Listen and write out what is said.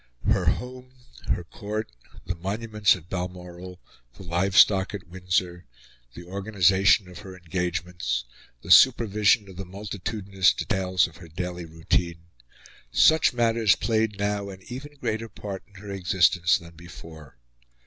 Her home her court the monuments at Balmoral the livestock at Windsor the organisation of her engagements the supervision of the multitudinous details of her daily routine such matters played now an even greater part in her existence than before.